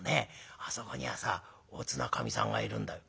あそこにはさおつなかみさんがいるんだよ」。